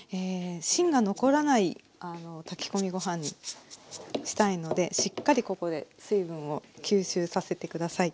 芯が残らない炊き込みご飯にしたいのでしっかりここで水分を吸収させて下さい。